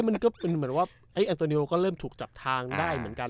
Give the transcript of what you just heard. มันก็เป็นเหมือนว่าแอนโตเนียลก็เริ่มถูกจับทางได้เหมือนกัน